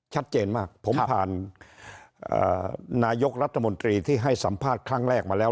ชัดเจนมากผมผ่านนายกรัฐมนตรีที่ให้สัมภาษณ์ครั้งแรกมาแล้ว